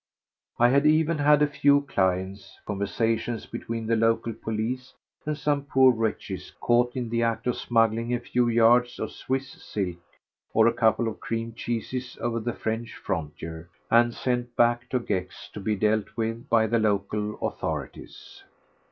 I had even had a few clients—conversations between the local police and some poor wretches caught in the act of smuggling a few yards of Swiss silk or a couple of cream cheeses over the French frontier, and sent back to Gex to be dealt with by the local authorities.